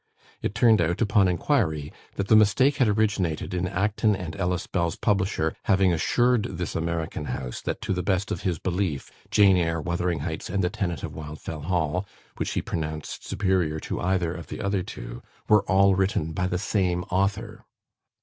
It turned out, upon inquiry, that the mistake had originated in Acton and Ellis Bell's publisher having assured this American house that, to the best of his belief, "Jane Eyre", "Wuthering Heights", and "The Tenant of Wildfell Hall" (which he pronounced superior to either of the other two) were all written by the same author.